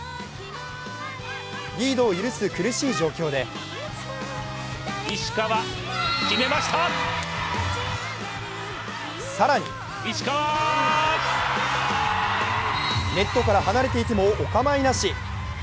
リードを許す苦しい状況で更にネットから離れていてもお構いなし。